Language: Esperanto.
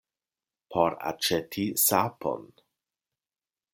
Por aĉeti sapon.